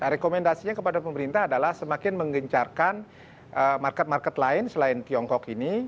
rekomendasinya kepada pemerintah adalah semakin menggencarkan market market lain selain tiongkok ini